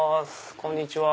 こんにちは。